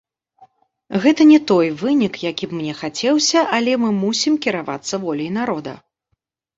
Гэта не той вынік, які б мне хацеўся, але мы мусім кіравацца воляй народа.